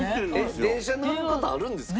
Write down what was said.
電車乗る事あるんですか？